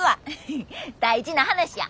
大事な話や。